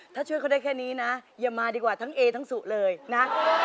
ถ้าช่วยเขาได้แค่นี้นะอย่ามาดีกว่าทั้งเอทั้งสุเลยนะ